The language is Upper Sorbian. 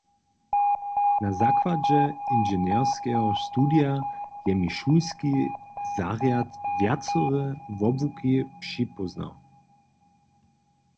Na zakładźe inženjerskeho studija je mi šulski zarjad wjacore wobłuki připóznał.